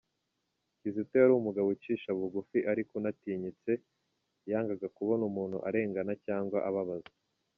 Kizito yari umugabo ucisha bugufi ariko unatinyitse, yangaga kubona umuntu arengana cyangwa ababazwa.